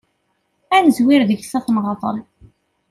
Ad nezwir deg-s ad t-neɣḍel.